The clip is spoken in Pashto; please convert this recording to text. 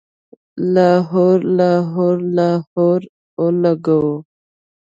لاهور، لاهور، لاهور اولګوو